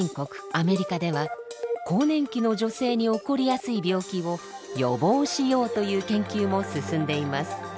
アメリカでは更年期の女性に起こりやすい病気を予防しようという研究も進んでいます。